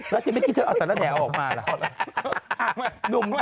แล้วที่ไม่คิดว่าจะเอาสารแดดแหน่อออกมาหรือ